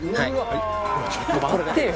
「ちょっと待ってよ！」